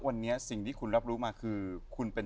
วันนี้ที่คุณรับรู้มาคือ